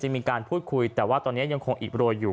มีการพูดคุยแต่ว่าตอนนี้ยังคงอิบโรยอยู่